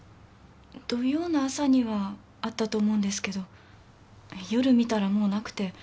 土曜の朝にはあったと思うんですけど夜見たらもうなくて。